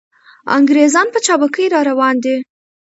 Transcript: انګریزان په چابکۍ را روان دي.